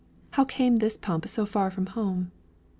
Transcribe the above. How came this pump so far from home?